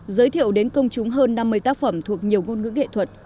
giới thiệu đến công chúng hơn năm mươi tác phẩm thuộc nhiều ngôn ngữ nghệ thuật